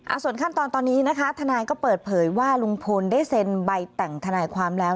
ส่วนขั้นตอนตอนนี้นะคะทนายก็เปิดเผยว่าลุงพลได้เซ็นใบแต่งทนายความแล้ว